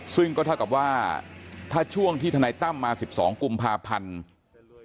ซึ่งก็เท่ากับว่าถ้าช่วงที่ทนายตั้มมา๑๒กุมภาพันธ์